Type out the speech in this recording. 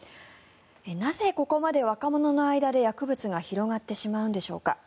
なぜここまで若者の間で薬物が広がってしまうんでしょうか。